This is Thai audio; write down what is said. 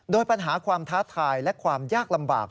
โดยปัญหาความท้าทายและความยากลำบาก